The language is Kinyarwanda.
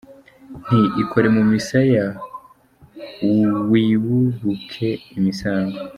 nti ikore mu misaya wibibuke imisango